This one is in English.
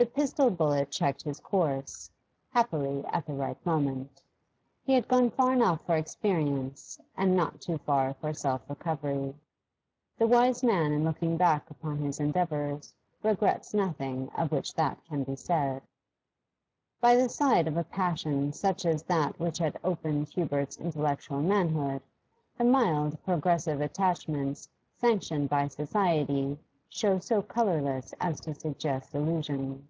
The pistol bullet checked his course, happily at the right moment. He had gone far enough for experience and not too far for self recovery. The wise man in looking back upon his endeavours regrets nothing of which that can be said. By the side of a passion such as that which had opened Hubert's intellectual manhood, the mild, progressive attachments sanctioned by society show so colourless as to suggest illusion.